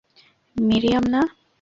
Miriam, না।